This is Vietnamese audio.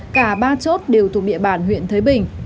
cả ba chốt đều thuộc địa bàn huyện thới bình